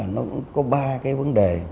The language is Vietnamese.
nó cũng có ba cái vấn đề